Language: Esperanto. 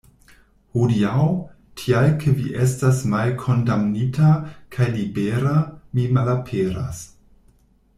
Hodiaŭ, tial ke vi estas malkondamnita kaj libera, mi malaperas.